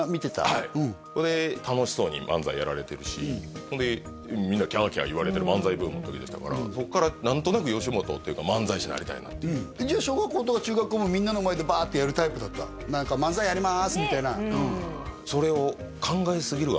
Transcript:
はい楽しそうに漫才やられてるしほんでみんなキャーキャー言われてる漫才ブームの時でしたからそこから何となく吉本というか漫才師なりたいなっていうじゃあ小学校とか中学校もみんなの前でバーッてやるタイプだった何か「漫才やりまーす」みたいなそれを考えすぎる